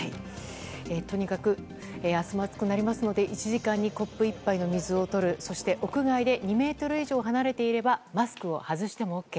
とにかく明日も暑くなりますので１時間にコップ１杯の水をとるそして屋外で２ｍ以上離れていればマスクを外してもＯＫ。